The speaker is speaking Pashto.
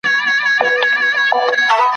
د پړانګانو په کوروکي ,